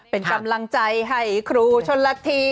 เป็นกำลังใจให้ครูชนละที